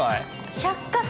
１００か所。